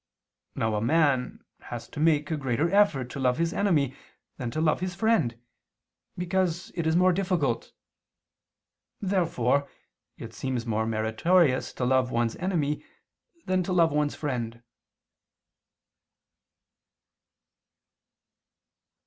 Now a man has to make a greater effort to love his enemy than to love his friend, because it is more difficult. Therefore it seems more meritorious to love one's enemy than to love one's friend.